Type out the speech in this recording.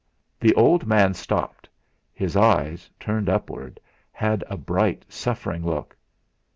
The old man stopped; his eyes, turned upward, had a bright, suffering look.